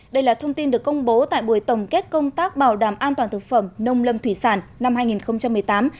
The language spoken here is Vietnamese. đây là thông tin được công bố tại buổi tổng kết công tác bảo đảm an toàn thực phẩm nông lâm thủy sản năm hai nghìn một mươi tám